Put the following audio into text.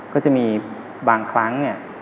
ก็จะมีบางครั้ง